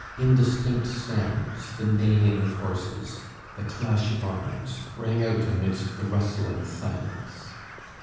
Indistinct sounds, the neighing of horses, the clash of arms rang out amidst the rustling silence.